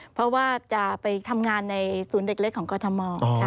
เพราะว่าจะไปทำงานในศูนย์เด็กเล็กของกรทม